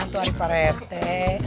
tuh hari pak rente